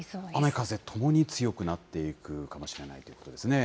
雨風ともに強くなっていくかもしれないということですね。